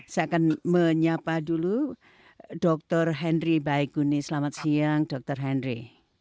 saya akan menyapa dulu dr henry baikuni selamat siang dr henry